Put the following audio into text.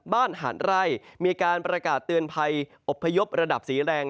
หาดไร่มีการประกาศเตือนภัยอบพยพระดับสีแดง